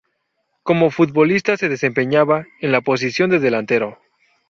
Como futbolista se desempeñaba en la posición de delantero.